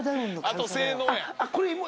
あと性能や。